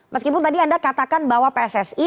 meskipun tadi anda katakan bahwa pssi